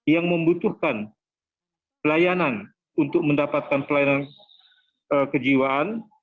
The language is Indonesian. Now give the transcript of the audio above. yang membutuhkan pelayanan untuk mendapatkan pelayanan kejiwaan